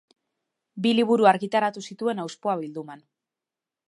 Bi liburu argitaratu zituen Auspoa bilduman.